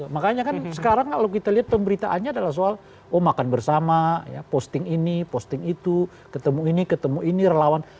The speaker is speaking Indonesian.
makanya kan sekarang kalau kita lihat pemberitaannya adalah soal oh makan bersama ya posting ini posting itu ketemu ini ketemu ini relawan